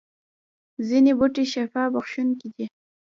ځینې بوټي شفا بخښونکي دي